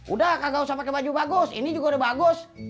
udah gak usah pakai baju bagus ini juga udah bagus